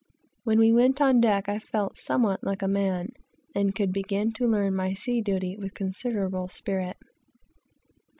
When we went on deck I felt somewhat like a man, and could begin to learn my sea duty with considerable spirit.